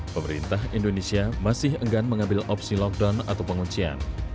pemerintah indonesia masih enggan mengambil opsi lockdown atau penguncian